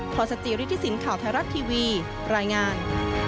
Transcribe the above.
พศจริษฐศิลป์ข่าวไทยรัฐทีวีรายงาน